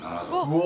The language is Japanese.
うわ。